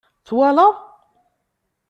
Twalaḍ?